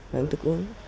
mình thức uống